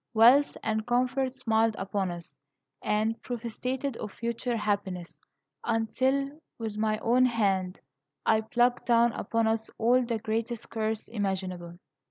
Wealth and comfort smiled upon us, and prophesied of future happiness, until, with my own hand, I plucked down upon us all the greatest curse imaginable.